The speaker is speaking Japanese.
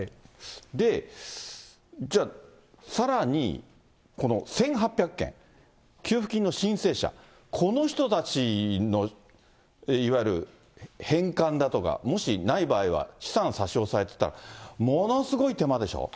で、じゃあ、さらにこの１８００件、給付金の申請者、この人たちの、いわゆる返還だとか、もしない場合は資産差し押さえといったら、ものすごい手間でしょう。